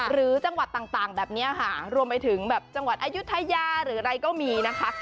หรือจังหวัดต่างแบบนี้ค่ะรวมไปถึงแบบจังหวัดอายุทยาหรืออะไรก็มีนะคะ